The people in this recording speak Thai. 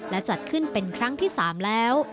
และจัดขึ้นเป็นครั้งที่๓แล้ว